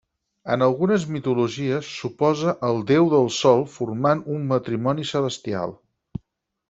En algunes mitologies s'oposa al Déu del Sol, formant un matrimoni celestial.